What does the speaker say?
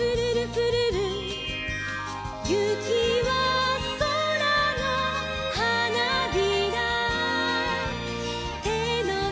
「ゆきはそらのはなびら」「てのひらに」「」